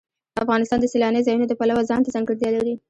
افغانستان د سیلانی ځایونه د پلوه ځانته ځانګړتیا لري.